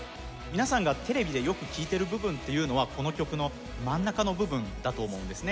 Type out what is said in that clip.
皆さんがテレビでよく聴いてる部分っていうのはこの曲の真ん中の部分だと思うんですね。